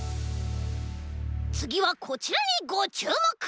つぎはこちらにごちゅうもく！